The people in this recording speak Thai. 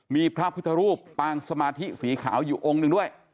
มีพระพุทธรูปปางสมาธิสีขาวอยู่องค์หนึ่งด้วย